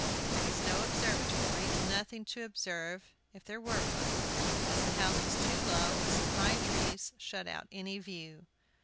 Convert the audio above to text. There was no observatory, and nothing to observe if there were one, as the house was too low and some high trees shut out any view.